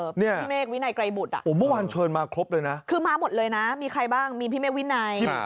พี่เมฆวินัยไกรบุตรอะคือมาหมดเลยนะมีใครบ้างมีพี่เมฆวินัย